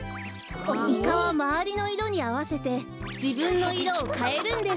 イカはまわりのいろにあわせてじぶんのいろをかえるんです。